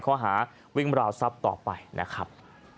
ข้อหาวิ่งราวทรัพย์ต่อไปนะครับ